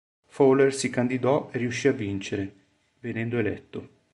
Fowler si candidò e riuscì a vincere, venendo eletto.